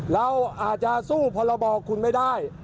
เราอาจจะสู้เพราะเราบอกคุณไม่ได้